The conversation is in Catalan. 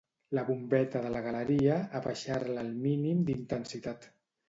La bombeta de la galeria, abaixar-la al mínim d'intensitat.